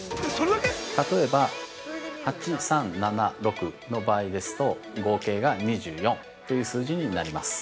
例えば、８、３、７、６の場合ですと合計が２４という数字になります。